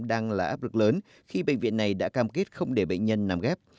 đang là áp lực lớn khi bệnh viện này đã cam kết không để bệnh nhân nằm ghép